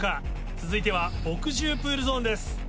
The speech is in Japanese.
続いては墨汁プールゾーンです。